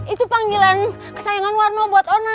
itu panggilan kesayangan warna buat ona